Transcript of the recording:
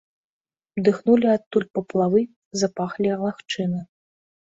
Дыхнулі адтуль паплавы, запахлі лагчыны.